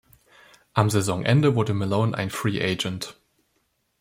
Am Saisonende wurde Malone ein Free Agent.